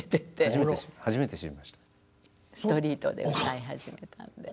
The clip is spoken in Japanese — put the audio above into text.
ストリートで歌い始めたんで。